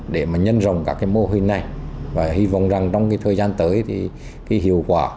để mà nhân rộng các mô hình này và hy vọng rằng trong thời gian tới thì hiệu quả